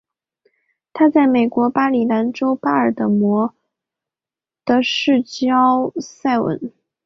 她在美国马里兰州巴尔的摩的市郊塞文。